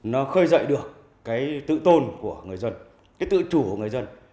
nó khơi dậy được cái tự tôn của người dân cái tự chủ của người dân